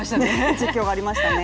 実況がありましたね。